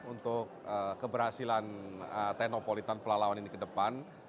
untuk keberhasilan teknopolitan pelalawan ini ke depan